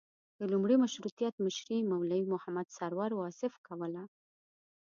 د لومړي مشروطیت مشري مولوي محمد سرور واصف کوله.